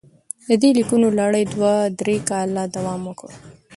د دې لیکونو لړۍ دوه درې کاله دوام وکړ.